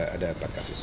ada empat kasus